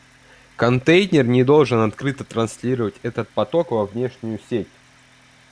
Контейнер не должен открыто транслировать этот поток во внешнюю сеть